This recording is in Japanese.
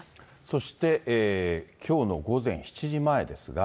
そして、きょうの午前７時前ですが。